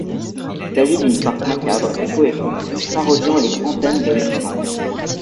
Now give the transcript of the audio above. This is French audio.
Il s’agit d’une farce macabre et poétique parodiant les grands thèmes de l’épouvante.